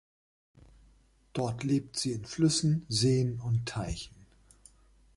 Dort lebt sie in Flüssen, Seen und Teichen.